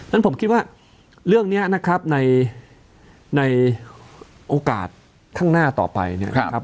ฉะผมคิดว่าเรื่องนี้นะครับในโอกาสข้างหน้าต่อไปเนี่ยนะครับ